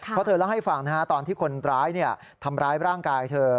เพราะเธอเล่าให้ฟังตอนที่คนร้ายทำร้ายร่างกายเธอ